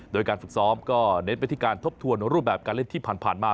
โดยการฝึกซ้อมก็เน้นไปที่การทบทวนรูปแบบการเล่นที่ผ่านมา